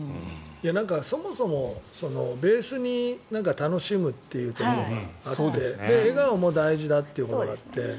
そもそもベースに楽しむっていうところがあって笑顔も大事だっていうことで。